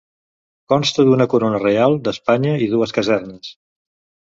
Consta d'una Corona Reial d'Espanya i dues casernes.